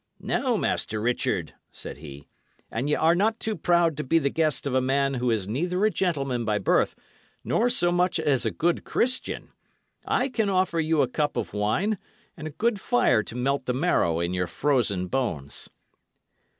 "Now, Master Richard," said he, "an y' are not too proud to be the guest of a man who is neither a gentleman by birth nor so much as a good Christian, I can offer you a cup of wine and a good fire to melt the marrow in your frozen bones."